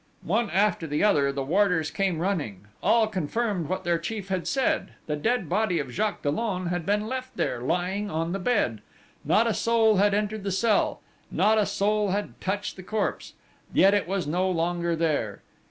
One after the other the warders came running. All confirmed what their chief had said: the dead body of Jacques Dollon had been left there, lying on the bed: not a soul had entered the cell: not a soul had touched the corpse!... Yet it was no longer there!